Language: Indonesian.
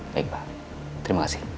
baik pak terima kasih